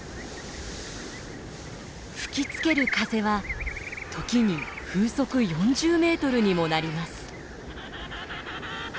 吹きつける風は時に風速４０メートルにもなります。